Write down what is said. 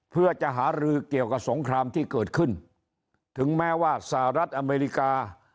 เพื่อจะหารือเกี่ยวกับสงครามที่เกิดขึ้นถึงแม้ว่าสหรัฐอเมริกา